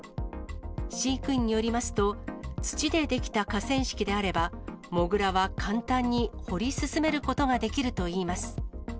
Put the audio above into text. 飼育員によりますと、土で出来た河川敷であれば、モグラは簡単に掘り進めることができるといいます。